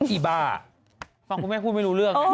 อีบ้าฟังคุณแม่พูดไม่รู้เรื่อง